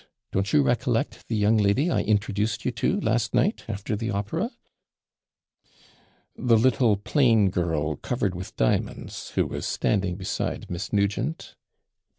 Don't you recollect the young lady I introduced you to last night after the opera?' 'The little, plain girl, covered with diamonds, who was standing beside Miss Nugent?'